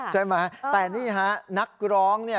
ใช่ไหมแต่นี่ฮะนักร้องเนี่ย